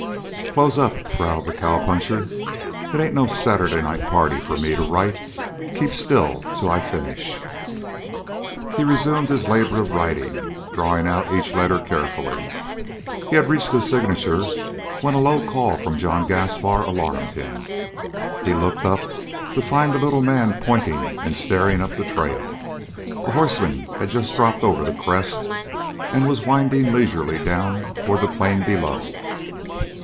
"Close up," growled the cowpuncher. "It ain't no Saturday night party for me to write. Keep still till I finish." He resumed his labor of writing, drawing out each letter carefully. He had reached his signature when a low call from John Gaspar alarmed him. He looked up to find the little man pointing and staring up the trail. A horseman had just dropped over the crest and was winding leisurely down toward the plain below.